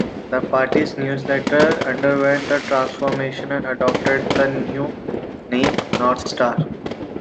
The party's newsletter underwent a transformation and adopted the new name "North Star".